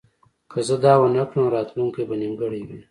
که زه دا ونه کړم نو راتلونکی به نیمګړی وي